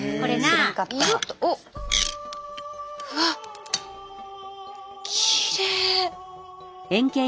わっきれい。